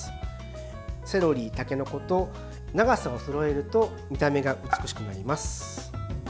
セロリ、たけのこと長さをそろえると見た目が美しくなります。